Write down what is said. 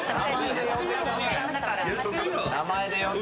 名前で呼んで。